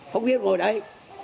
phóng viên ngồi đây